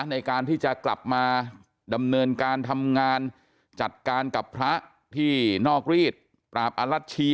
ในการที่จะกลับมาดำเนินการทำงานจัดการกับพระที่นอกรีดปราบอลัชชี